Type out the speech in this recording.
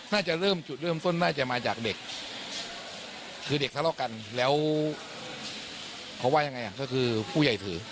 น่าจะเริ่มจุดเริ่มต้นน่าจะมาจากเด็กคือเด็กทะเลาะกันแล้วเขาว่ายังไงก็คือผู้ใหญ่ถือ